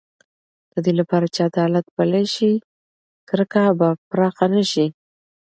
د دې لپاره چې عدالت پلی شي، کرکه به پراخه نه شي.